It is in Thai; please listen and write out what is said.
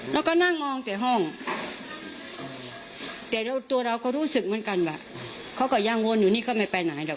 แล้วก็นั่งมองแต่ห้องแต่ตัวเราก็รู้สึกเหมือนกันว่าเขาก็ยังวนอยู่นี่ก็ไม่ไปไหนหรอก